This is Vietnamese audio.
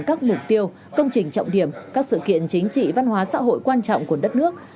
các mục tiêu công trình trọng điểm các sự kiện chính trị văn hóa xã hội quan trọng của đất nước